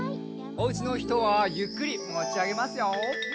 おうちのひとはゆっくりもちあげますよ。